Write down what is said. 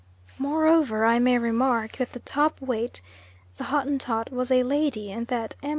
Moreover I may remark that the top weight, the Hottentot, was a lady, and that M.